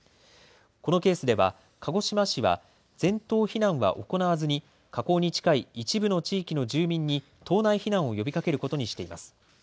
このケースでは鹿児島市は全島避難は行わずに火口に近い一部の地域の住民に島内避難を呼びかけることにしています。